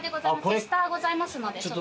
テスターございますので。